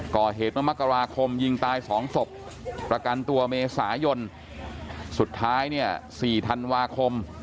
ก่อเหตุมะมะกะวาคมยิงตาย๒ศพประกันตัวเมษายนสุดท้าย๔ธันวาคม